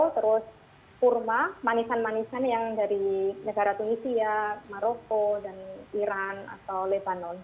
terus kurma manisan manisan yang dari negara tunisia maroko dan iran atau lebanon